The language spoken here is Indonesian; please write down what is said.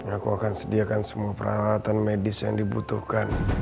aku akan sediakan semua peralatan medis yang dibutuhkan